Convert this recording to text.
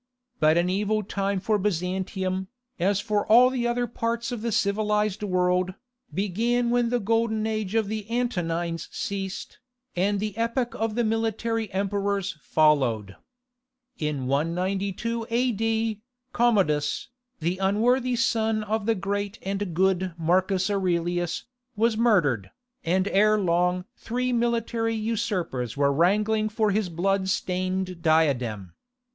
But an evil time for Byzantium, as for all the other parts of the civilized world, began when the golden age of the Antonines ceased, and the epoch of the military emperors followed. In 192 A.D., Commodus, the unworthy son of the great and good Marcus Aurelius, was murdered, and ere long three military usurpers were wrangling for his blood stained diadem.